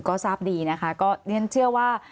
ก็ทราบดีนะคะก็เชื่อว่า